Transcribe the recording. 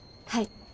はい。